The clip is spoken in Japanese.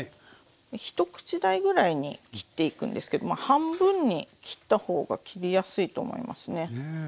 一口大ぐらいに切っていくんですけどまあ半分に切った方が切りやすいと思いますね。